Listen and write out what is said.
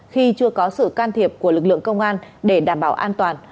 khi chưa có sự can thiệp của lực lượng công an để đảm bảo an toàn